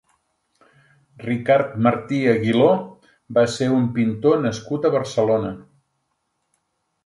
Ricard Martí Aguiló va ser un pintor nascut a Barcelona.